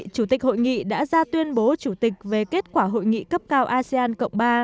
chủ tịch hội nghị đã ra tuyên bố chủ tịch về kết quả hội nghị cấp cao asean cộng ba